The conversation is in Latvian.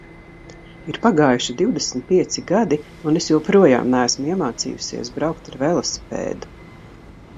Ir pagājuši divdesmit pieci gadi, un es joprojām neesmu iemācījusies braukt ar velosipēdu.